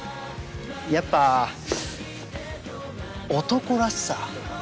やっぱ男らしさ？